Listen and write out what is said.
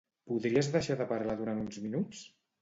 Podries deixar de parlar durant uns minuts?